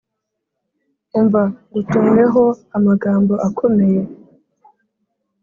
Umva ngutumweho amagambo akomeye